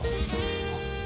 あっ。